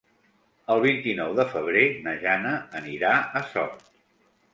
El vint-i-nou de febrer na Jana anirà a Sort.